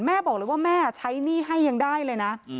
แม่บอกเลยว่าแม่ใช้หนี้ให้ยังได้เลยนะ